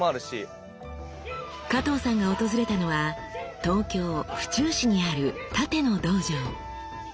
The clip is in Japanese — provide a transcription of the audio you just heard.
加藤さんが訪れたのは東京・府中市にある殺陣の道場。